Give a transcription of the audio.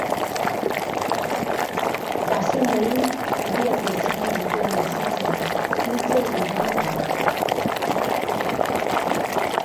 Bazen behin, herrialde txiki batean bizitzen, printze lirain bat.